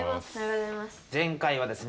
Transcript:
前回はですね